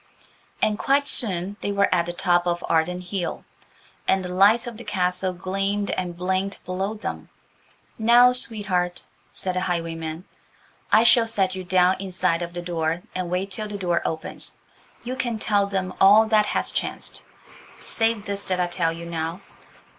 And quite soon they were at the top of Arden Hill, and the lights of the castle gleamed and blinked below them. "Now, sweetheart," said the highwayman, "I shall set you down in sight of the door and wait till the door opens. You can tell them all that has chanced, save this that I tell you now.